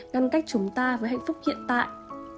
ngăn cách chúng ta với hạnh phúc hiện tại